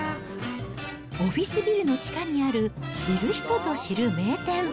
オフィスビルの地下にある知る人ぞ知る名店。